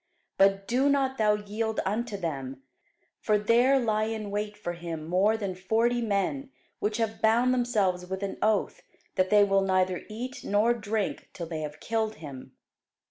But do not thou yield unto them: for there lie in wait for him more than forty men, which have bound themselves with an oath, that they will neither eat nor drink till they have killed him.